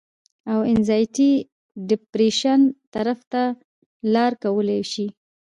او انزائټي ډپرېشن طرف ته لار کولاو شي